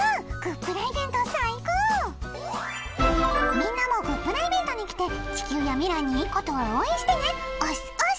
みんなもグップライベントに来て「地球や未来にいいこと」を応援してねおすおす！